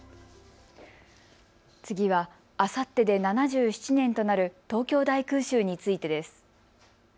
次はあさってで７７年となる東京大空襲についてです。